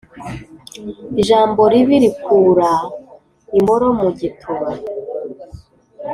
i jambo ribi rikura imboro mu gi tuba